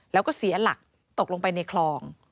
แล้วก็เสียหลักตกลงไปในคลอง